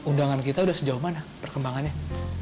undangan kita sudah sejauh mana perkembangannya